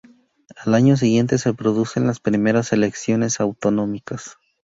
Al año siguiente se producen las primeras elecciones autonómicas.